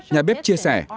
nhà bếp chia sẻ